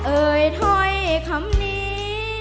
เอ่ยถ้อยคำนี้